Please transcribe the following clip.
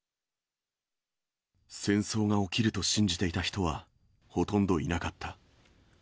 戦争が起きると信じていた人は、ほとんどいなかった。